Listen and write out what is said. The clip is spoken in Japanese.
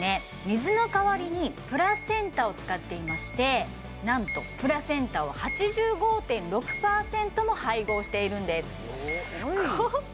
水の代わりにプラセンタを使っていまして何とプラセンタを８５．６％も配合しているんですすごっ